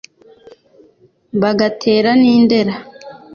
bagatera n,i ndera